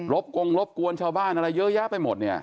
รบกวงรบกวนชาวบ้านอะไรเยอะแยะไปหมด